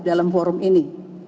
dalam forum ini